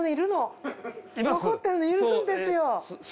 残ってるのいるんですよ。